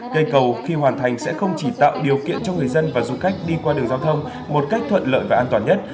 cây cầu khi hoàn thành sẽ không chỉ tạo điều kiện cho người dân và du khách đi qua đường giao thông một cách thuận lợi và an toàn nhất